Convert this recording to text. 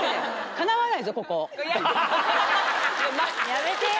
やめてよ。